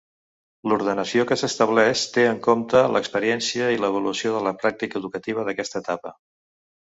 L'ordenació que s'estableix té en compte l'experiència i l'avaluació de la pràctica educativa d'aquesta etapa.